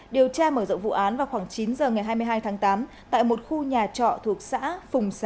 điều tra mở rộng vụ án vào khoảng chín h ngày hai mươi hai tháng tám tại một khu nhà trọ thuộc xã phùng xá